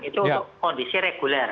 itu untuk kondisi reguler